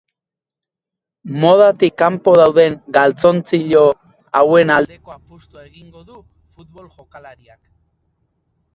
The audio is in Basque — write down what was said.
Modatik kanpo dauden galtzontzilo hauen aldeko apustua egingo du futbol jokalariak.